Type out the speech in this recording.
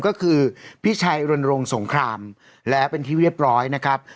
ก็คือพี่ชัยรณรงค์สงครามแล้วเป็นที่เรียบร้อยนะครับ